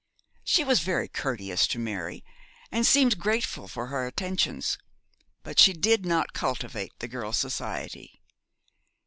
She was very courteous to Mary, and seemed grateful for her attentions; but she did not cultivate the girl's society.